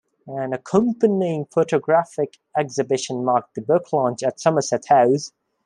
An accompanying photographic exhibition marked the book launch at Somerset House.